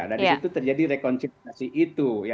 dan di situ terjadi rekonsentrasi itu